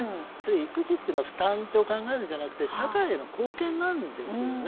育児というのは負担と考えるんじゃなくて社会への貢献なんですよね。